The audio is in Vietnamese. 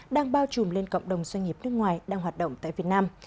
đang bao trùm lên cộng đồng doanh nghiệp nước ngoài đang hoạt động tại việt nam